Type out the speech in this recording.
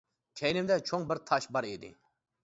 كەينىمدە چوڭ بىر تاش بار ئىدى.